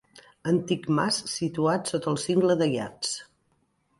Antic mas situat sota el cingle d'Aiats.